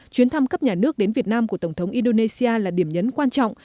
chuyến thăm cấp nhà nước đến việt nam của tổng thống indonesia là điểm nhấn quan trọng